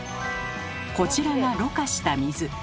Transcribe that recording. こちらがろ過した水。